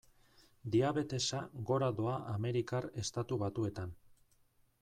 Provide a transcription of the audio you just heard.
Diabetesa gora doa Amerikar Estatu Batuetan.